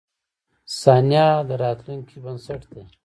• ثانیه د راتلونکې بنسټ دی.